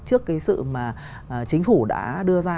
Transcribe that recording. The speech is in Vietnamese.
trước cái sự mà chính phủ đã đưa ra